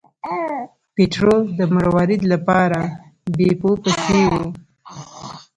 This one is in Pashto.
پیټرو د مروارید لپاره بیپو پسې و.